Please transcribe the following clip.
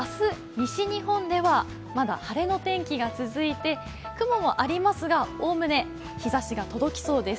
西日本では、まだ晴れの天気が続いて雲はありますが、おおむね、日ざしが届きそうです。